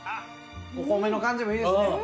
お米の感じもいいですね。